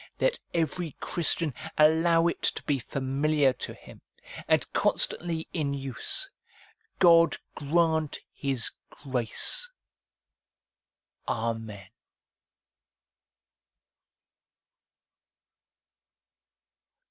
Let every Christian allow it to be familiar to him, and constantly in use. God grant His grace ! Amen.